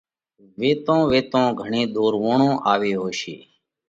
۔ ويتون ويتون گھڻي ۮورووڻون آوي هوشي